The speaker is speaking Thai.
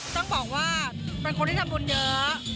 ต้องบอกว่าเป็นคนที่ทำบุญเยอะ